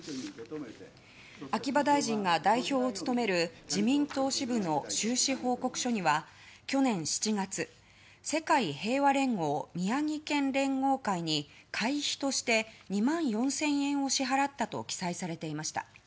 秋葉大臣が代表を務める自民党支部の収支報告書には去年７月世界平和連合宮城県連合会に会費として２万４０００円を支払ったと記載されていました。